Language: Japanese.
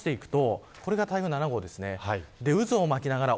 動かしていくとこれが台風７号です。